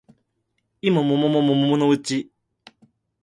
季も桃も桃のうち